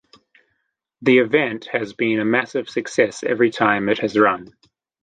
The event has been a massive success every time it has run.